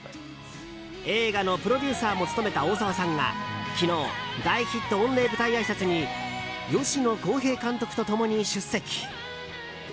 映画のプロデューサーも務めた大沢さんが昨日大ヒット御礼舞台あいさつに吉野耕平監督と共に出席。